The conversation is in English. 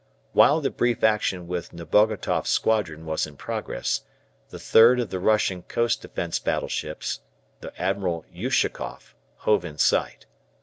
While the brief action with Nebogatoff's squadron was in progress, the third of the Russian coast defence battleships, the "Admiral Ushakoff," hove in sight.